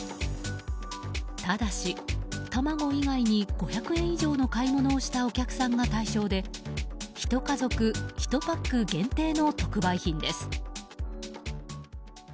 ただし、卵以外に５００円以上の買い物をしたお客さんが対象で１家族１パック限定の特売品です。